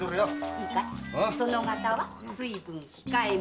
いいかい殿方は水分控えめ